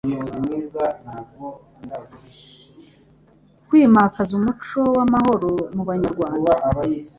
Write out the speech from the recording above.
kwimakaza umuco w amahoro mu banyarwanda